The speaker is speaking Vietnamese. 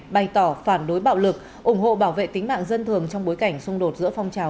bày tỏ phản đối bạo lực ủng hộ bảo vệ tính mạng dân thường trong bối cảnh xung đột giữa phong trào